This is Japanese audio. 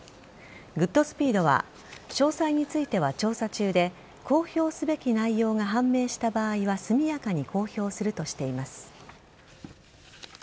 グッドスピードは詳細については調査中で公表すべき内容が判明した場合は速やかに公表するとしています。